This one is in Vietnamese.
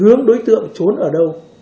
hướng đối tượng trốn ở đâu